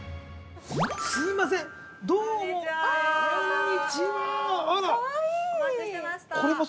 ◆すみません、どうも。